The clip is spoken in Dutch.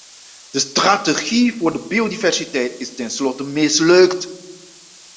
De strategie voor de biodiversiteit is tenslotte mislukt.